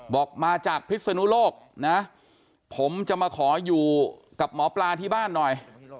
บอกมาจากพิศนุโลกนะผมจะมาขออยู่กับหมอปลาที่บ้านหน่อย